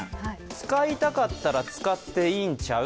使いたかったら使っていいんちゃう？